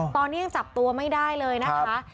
ตอนนี้ยังจับตัวไม่ได้เลยนะคะ